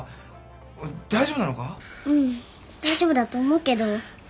うん大丈夫だと思うけど。